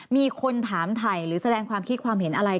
มีคนถามถ่ายหรือแสดงความคิดความเห็นอะไร